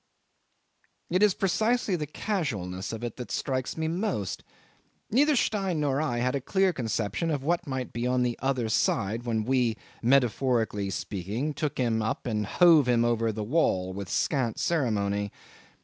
'It is precisely the casualness of it that strikes me most. Neither Stein nor I had a clear conception of what might be on the other side when we, metaphorically speaking, took him up and hove him over the wall with scant ceremony.